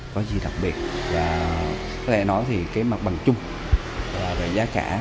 có gì đặc biệt và có thể nói thì cái mặt bằng chung là về giá cả